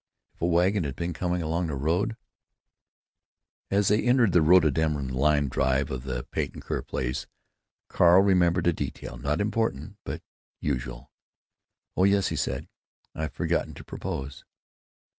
If a wagon had been coming along the road——!" As they entered the rhododendron lined drive of the Patton Kerr place, Carl remembered a detail, not important, but usual. "Oh yes," he said, "I've forgotten to propose."